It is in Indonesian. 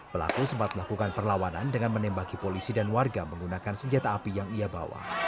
pelaku sempat melakukan perlawanan dengan menembaki polisi dan warga menggunakan senjata api yang ia bawa